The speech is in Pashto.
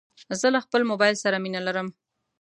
زه له خپل موبایل سره مینه لرم.